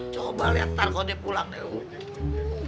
coba liat ntar kalo dia pulang deh lu